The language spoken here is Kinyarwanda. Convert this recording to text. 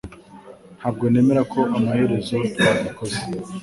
Ntabwo nemera ko amaherezo twabikoze